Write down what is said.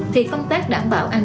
thì công tác đảm bảo an ninh